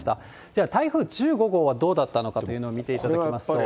では台風１５号はどうだったのかというのを見ていただきますと。